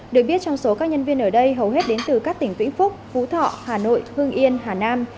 được biết trong số các nhân viên ở đây hầu hết đến từ các tỉnh vĩnh phúc phú thọ hà nội hương yên hà nam